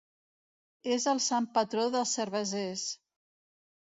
És el sant patró dels cervesers.